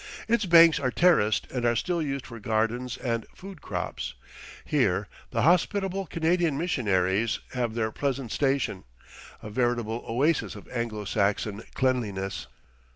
Its banks are terraced and are still used for gardens and food crops. Here the hospitable Canadian missionaries have their pleasant station, a veritable oasis of Anglo Saxon cleanliness.